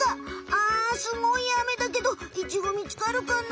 ああすごいあめだけどイチゴみつかるかな？